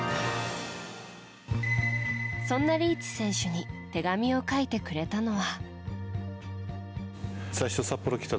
そんなリーチ選手に手紙を書いてくれたのは。